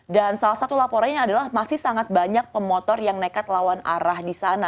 salah satu laporannya adalah masih sangat banyak pemotor yang nekat lawan arah di sana